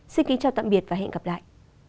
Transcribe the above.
xin kính chào tạm biệt và hẹn gặp lại